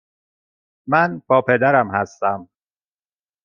من با پدرم هستم.